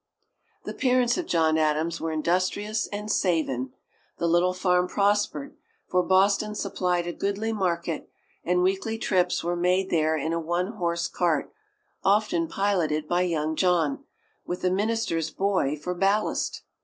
The parents of John Adams were industrious and savin' the little farm prospered, for Boston supplied a goodly market, and weekly trips were made there in a one horse cart, often piloted by young John, with the minister's boy for ballast.